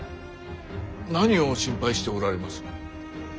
何を心配しておられます。